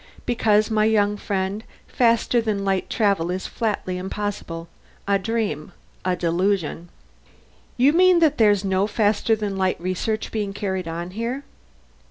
"Because, my young friend, faster than light travel is flatly impossible. A dream. A delusion." "You mean that there's no faster than light research being carried on here?"